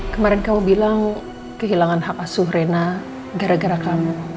kemarin kamu bilang kehilangan hak asuh rena gara gara kamu